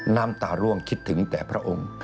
น้ำตาร่วงคิดถึงแต่พระองค์